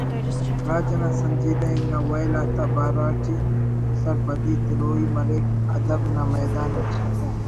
راج انا سنجیدہ انگا ویل آتا بارو اٹ سرپدی تروئی مریک ادب نا میدان اٹ